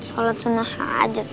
shalat sunnah hajat